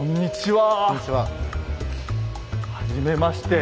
はじめまして。